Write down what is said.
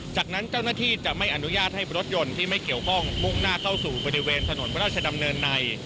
จากนั้นเจ้าหน้าที่จะไม่อนุญาตให้รถยนต์ที่ไม่เกี่ยวข้องมุ่งหน้าเข้าสู่บริเวณถนนพระราชดำเนินใน